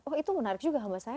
oh itu menarik juga hamba sahaya